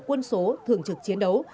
quân số thường trực chiến đấu